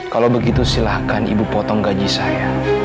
kalau begitu silahkan ibu potong gaji saya